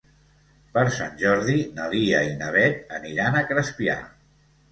Per Sant Jordi na Lia i na Beth aniran a Crespià.